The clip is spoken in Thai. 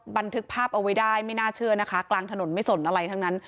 บันทึกภาพเอาไว้ได้ไม่น่าเชื่อนะคะกลางถนนไม่สนอะไรทั้งนั้น